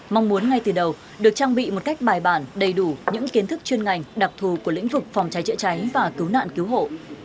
mong muốn ngay từ đầu được trang bị một cách bài bản đầy đủ những kiến thức chuyên ngành đặc thù của lĩnh vực phòng cháy chữa cháy và cứu nạn cứu hộ